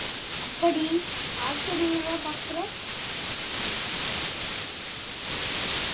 அப்படி ஆச்சரியமா பார்க்குறே?